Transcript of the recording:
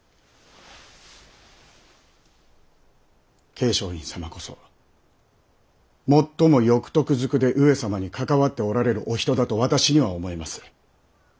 桂昌院様こそもっとも欲得ずくで上様に関わっておられるお人だと私には思えます。